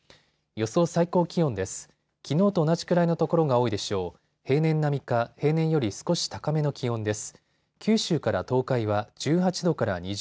予想最高気温です。